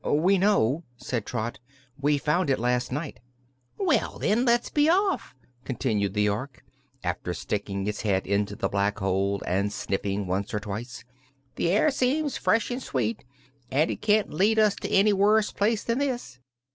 "We know," said Trot. "We found it last night." "Well, then, let's be off," continued the Ork, after sticking its head into the black hole and sniffing once or twice. "The air seems fresh and sweet, and it can't lead us to any worse place than this."